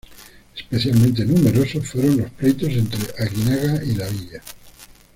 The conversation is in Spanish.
Especialmente numerosos fueron los pleitos entre Aguinaga y la villa.